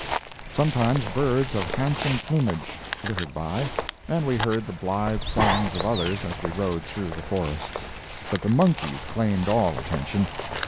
Sometimes birds of handsome plumage flitted by, and we heard the blythe songs of others as we rode through the forests. But the monkeys claimed all attention.